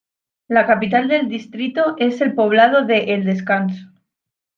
La Capital del distrito es el poblado de El Descanso.